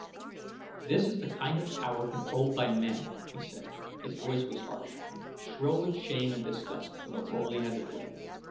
"This is the kind of power controlled by men," he said. His voice was harsh, shrill with shame and disgust for the role he had to play.